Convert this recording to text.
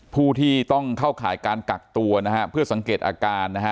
ผู้ที่ต้องเข้าข่ายการกักตัวนะฮะเพื่อสังเกตอาการนะฮะ